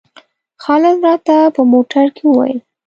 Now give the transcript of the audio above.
خالد راته په موټر کې وویل.